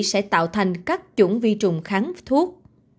sẽ tạo thành các chủng vi trùng kháng thuốc